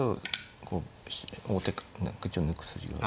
こう王手何か順抜く筋がある。